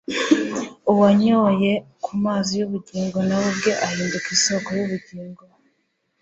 Uwanyoye ku mazi y'ubugingo, nawe ubwe ahinduka isoko y'ubugingo.